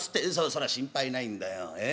「そりゃ心配ないんだよ。